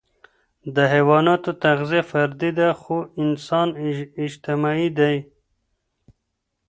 د حيواناتو تغذیه فردي ده، خو انسان اجتماعي دی.